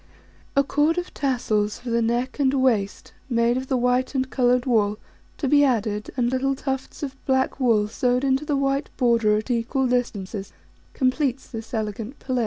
A cord of tassels for the neck and waist, made of the white and coloured wool, to be added, and little tufts of black wool sewed into the white border at equal distances, completes this elegant pelisse.